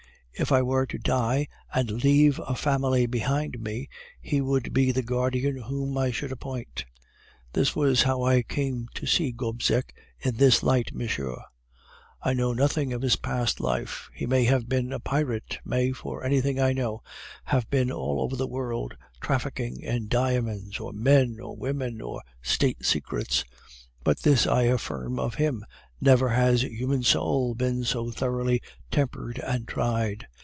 If I were to die and leave a family behind me, he would be the guardian whom I should appoint. This was how I came to see Gobseck in this light, monsieur. I know nothing of his past life. He may have been a pirate, may, for anything I know, have been all over the world, trafficking in diamonds, or men, or women, or State secrets; but this I affirm of him never has human soul been more thoroughly tempered and tried.